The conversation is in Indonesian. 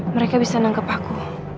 mereka bisa nangkep aku